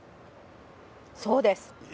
そうです。